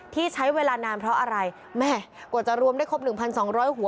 ที่ใช้เวลานานเพราะอะไรแม่กว่าจะรวมได้ครบหนึ่งพันสองร้อยหัว